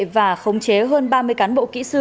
và khống chế hơn ba mươi cán bộ kỹ sư